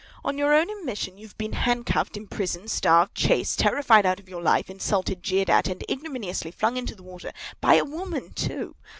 On your own admission you have been handcuffed, imprisoned, starved, chased, terrified out of your life, insulted, jeered at, and ignominiously flung into the water—by a woman, too!